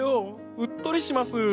うっとりします。